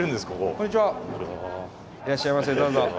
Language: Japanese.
いらっしゃいませどうぞ。